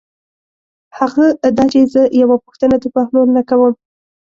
هغه دا چې زه یوه پوښتنه د بهلول نه کوم.